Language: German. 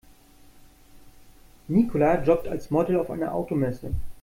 Nicola jobbt als Model auf einer Automesse.